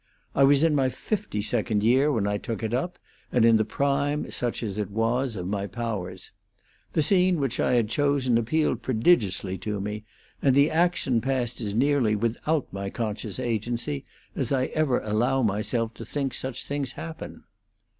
I was in my fifty second year when I took it up, and in the prime, such as it was, of my powers. The scene which I had chosen appealed prodigiously to me, and the action passed as nearly without my conscious agency as I ever allow myself to think such things happen.